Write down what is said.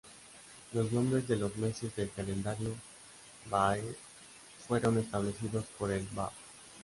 Los nombres de los meses del calendario bahá'í, fueron establecidos por El Báb.